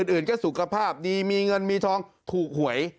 อื่นก็สุขภาพดีมีเงินมีทองถูกหวย